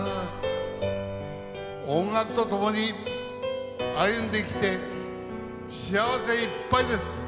音楽と共に歩んできて幸せいっぱいです。